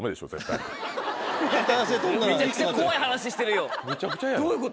めちゃくちゃ怖い話してるよどういうこと？